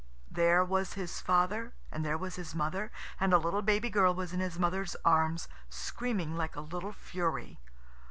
There was his father, and there was his mother, and a little baby girl was in his mother's arms, screaming like a little fury.